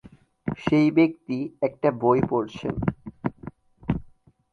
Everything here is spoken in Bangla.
সেই ব্যক্তি একটা বই পড়ছেন।